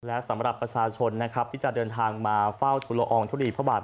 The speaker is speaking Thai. และสำหรับประชาชนนะครับที่จะเดินทางมาเฝ้าทุลอองทุลีพระบาท